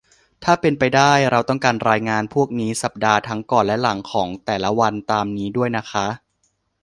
ถ้าเป็นไปได้ เราต้องการรายงานพวกนี้สัปดาห์ทั้งก่อนและหลังของแต่ละวันตามนี้ด้วยนะคะ